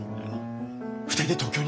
２人で東京に。